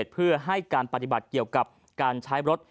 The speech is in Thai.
เพื่อให้การปฏิบัติเกี่ยวกับการใช้รถ